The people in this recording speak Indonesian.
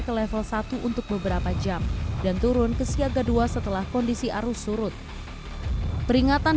ke level satu untuk beberapa jam dan turun ke siaga dua setelah kondisi arus surut peringatan